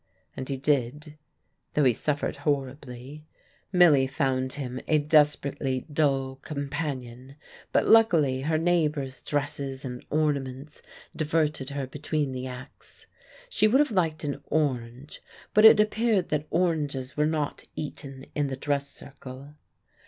And he did, though he suffered horribly. Milly found him a desperately dull companion, but luckily her neighbours' dresses and ornaments diverted her between the acts. She would have liked an orange; but it appeared that oranges were not eaten in the dress circle.